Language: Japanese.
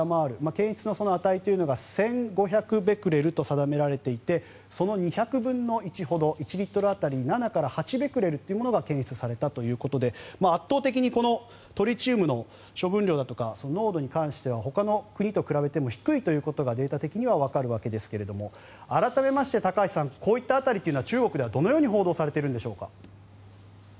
検出の値というのが１５００ベクレルと定められていてその２００分の１ほど１リットル当たり７から８ベクレルが検出されたということで圧倒的にトリチウムの処分量だとか濃度に関してはほかの国と比べてもデータ的にはわかるわけですが改めまして高橋さんこういった辺りは中国ではどのように報道されているんでしょうか？